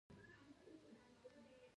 زه د دؤعا په ارزښت باور لرم.